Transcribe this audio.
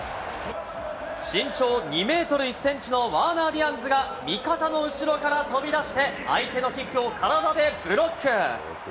身長２メートル１センチのワーナー・ディアンズが味方の後ろから飛び出して、相手のキックを体でブロック。